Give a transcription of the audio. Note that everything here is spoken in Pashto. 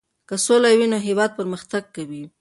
که سوله وي نو هېواد پرمختګ کوي.